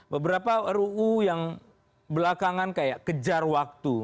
beberapa ruu yang belakangan kayak kejar waktu